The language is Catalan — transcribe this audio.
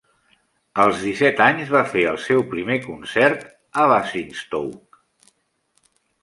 Als disset anys va fer el seu primer concert a Basingstoke.